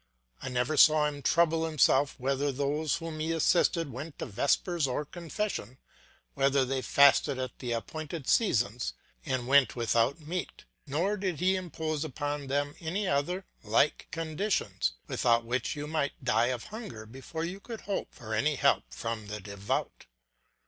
I never saw him trouble himself whether those whom he assisted went to vespers or confession, whether they fasted at the appointed seasons and went without meat; nor did he impose upon them any other like conditions, without which you might die of hunger before you could hope for any help from the devout.